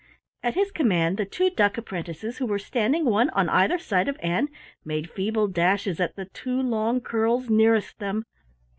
At his command the two duck apprentices, who were standing one on either side of Ann, made feeble dashes at the two long curls nearest them.